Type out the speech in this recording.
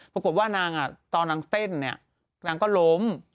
ปรากฏว่านางตอนนางเต้นเนี่ยนางก็ล้ม